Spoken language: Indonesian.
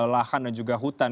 lahan dan juga hutan